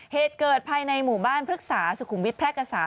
เหตุเกิดภายในหมู่บ้านพฤกษาสุขุมวิทยแพร่กษา